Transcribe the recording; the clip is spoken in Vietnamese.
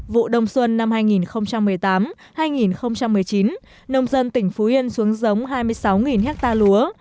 vụ đông xuân năm hai nghìn một mươi tám hai nghìn một mươi chín nông dân tỉnh phú yên xuống giống hai mươi sáu ha lúa